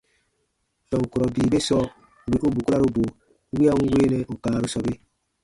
Tɔn kurɔ bii be sɔɔ wì u bukuraru bo wiya n weenɛ ù kaaru sɔbe.